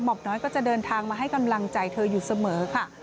บน้อยก็จะเดินทางมาให้กำลังใจเธออยู่เสมอค่ะ